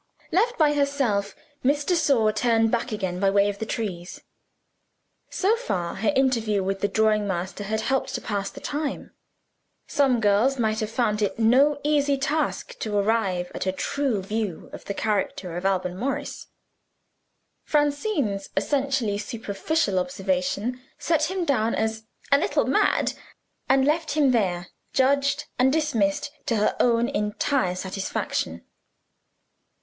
Left by herself, Miss de Sor turned back again by way of the trees. So far, her interview with the drawing master had helped to pass the time. Some girls might have found it no easy task to arrive at a true view of the character of Alban Morris. Francine's essentially superficial observation set him down as "a little mad," and left him there, judged and dismissed to her own entire satisfaction.